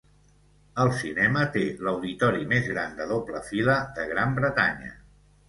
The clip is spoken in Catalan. El cinema té l'auditori més gran de doble fila de Gran Bretanya.